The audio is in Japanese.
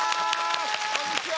こんにちは。